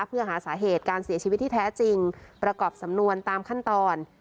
เพื่อหาสาเหตุการเสียชีวิตที่แท้จริงประกอบสำนวนตามขั้นตอน